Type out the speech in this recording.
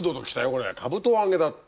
これかぶとあげだって。